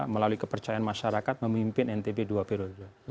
melalui kepercayaan masyarakat memimpin ntb dua periode